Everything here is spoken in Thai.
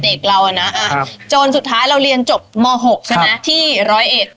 แต่เด็กเราน่ะนะจนสุดท้ายเราเรียนจบม๖นั้นนะที่ร้อยเอฐ